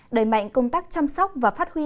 đẩy mạnh công tác chăm sóc và phát huy